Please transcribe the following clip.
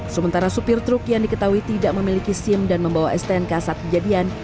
sementara supir truk yang diketahui tidak memiliki sim dan membawa stnk saat kejadian